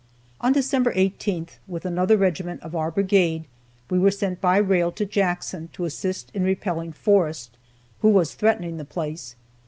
On December 18, with another regiment of our brigade, we were sent by rail to Jackson to assist in repelling Forrest, who was threatening that place.